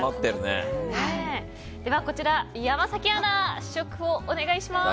ではこちら、山崎アナ試食をお願いします。